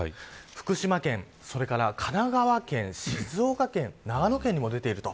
福島県それから神奈川県、静岡県長野県にも出ています。